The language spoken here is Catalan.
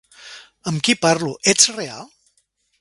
Amb qui parlo? Ets real?